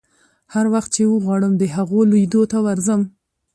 هر وخت چې وغواړم د هغو لیدو ته ورځم.